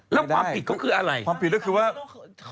แล้วความผิดเขาคืออะไร